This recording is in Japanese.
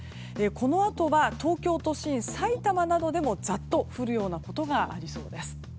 このあとは東京都心、埼玉などでもザッと降るようなことがありそうです。